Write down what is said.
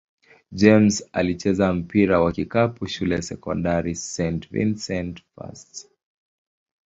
James alicheza mpira wa kikapu shule ya sekondari St. Vincent-St.